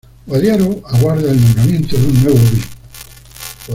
Guadiaro aguarda el nombramiento de un nuevo obispo